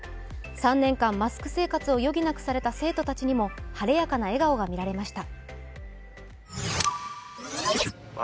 ３年間、マスク生活を余儀なくされた生徒たちにも晴れやかな笑顔が見られました。